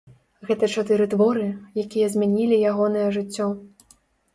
Гэта чатыры творы, якія змянілі ягонае жыццё.